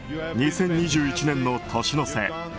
２０２１年の年の瀬